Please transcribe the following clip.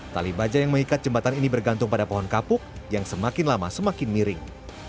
tali baja yang mengikat jembatan ini bergantung pada pohon kapuk yang semakin lama semakin miring